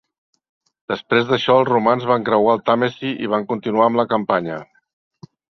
Després d'això els romans van creuar el Tàmesi i van continuar amb la campanya.